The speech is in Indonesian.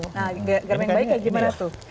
nah garam yang baik kayak gimana tuh